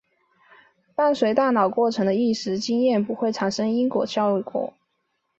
伴随大脑过程的意识经验不会产生因果效用。